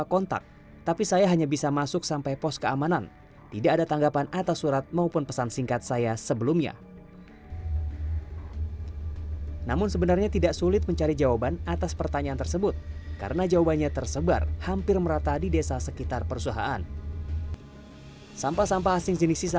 kertas bekas ini tidak hanya memiliki kertas bekas tetapi juga memiliki kertas yang berbeda